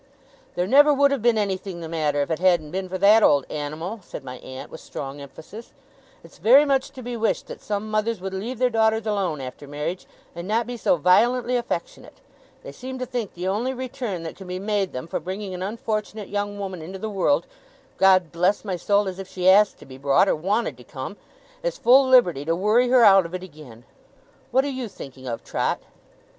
'There never would have been anything the matter, if it hadn't been for that old Animal,' said my aunt, with strong emphasis. 'It's very much to be wished that some mothers would leave their daughters alone after marriage, and not be so violently affectionate. They seem to think the only return that can be made them for bringing an unfortunate young woman into the world God bless my soul, as if she asked to be brought, or wanted to come! is full liberty to worry her out of it again. What are you thinking of, Trot?